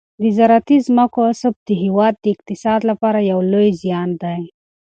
د زراعتي ځمکو غصب د هېواد د اقتصاد لپاره یو لوی زیان دی.